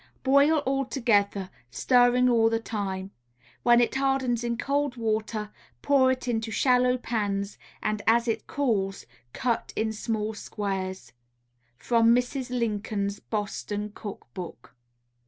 Boil all together, stirring all the time. When it hardens in cold water, pour it into shallow pans, and as it cools cut in small squares. _From Mrs. Lincoln's Boston Cook Book.